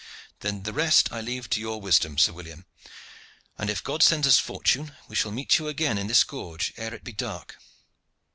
"Then the rest I leave to your wisdom, Sir William; and if God sends us fortune we shall meet you again in this gorge ere it be dark."